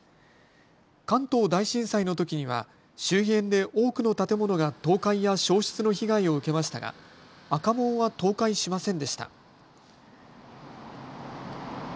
関東大震災のときには周辺で多くの建物が倒壊や焼失の被害を受けましたが赤門は倒壊しませんでした。